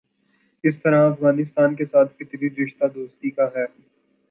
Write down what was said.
اسی طرح افغانستان کے ساتھ فطری رشتہ دوستی کا ہے۔